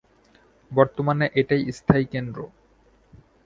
বর্তমানে এটাই স্থায়ী কেন্দ্র।